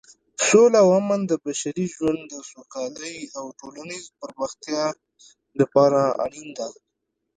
سوله او امن د بشري ژوند د سوکالۍ او ټولنیزې پرمختیا لپاره اړین دي.